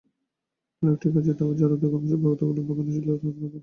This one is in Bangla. তার একটি কাচের টাওয়ার, যার অর্ধেক অংশ কতগুলো বাঁকানো পিলারের ওপর খাড়া।